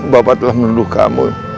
bapak telah menuduh kamu